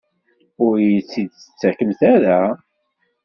Ur iyi-t-id-tettakemt ara?